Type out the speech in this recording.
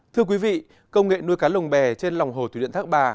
thưa quý vị công nghệ nuôi cá lồng bè trên lòng hồ thủy điện thác bà